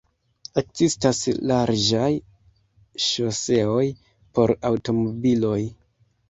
Ekzistas larĝaj ŝoseoj por aŭtomobiloj.